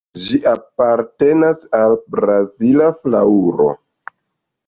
Ĝi apartenas al Brazila flaŭro.